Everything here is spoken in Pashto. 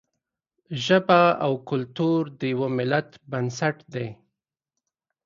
ژبه او کلتور د یوه ملت بنسټ دی.